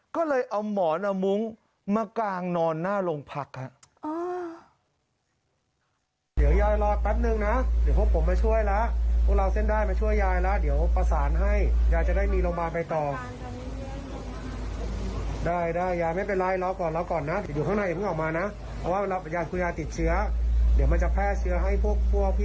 ก็เลยเอาหมอนเอามุ้งมากางนอนหน้าโรงพักครับ